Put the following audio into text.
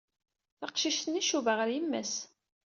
Taqcict-nni tcuba ɣer yemma-s.